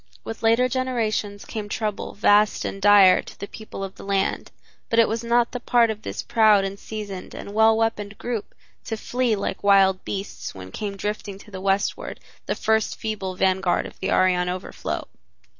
With later generations came trouble vast and dire to the people of the land, but it was not the part of this proud and seasoned and well weaponed group to flee like wild beasts when came drifting to the Westward the first feeble vanguard of the Aryan overflow.